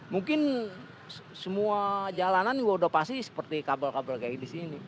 mungkin semua jalanan sudah pasti seperti kabel kabel kayak di sini